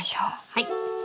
はい。